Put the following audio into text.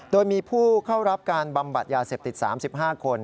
โดยมีผู้เข้ารับการบำบัดยาเสพติด๓๕คน